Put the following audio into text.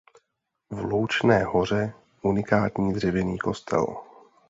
V Loučné Hoře unikátní dřevěný kostel.